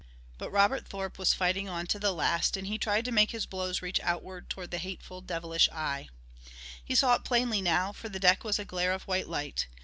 But Robert Thorpe was fighting on to the last, and he tried to make his blows reach outward to the hateful devilish eye. He saw it plainly now, for the deck was a glare of white light.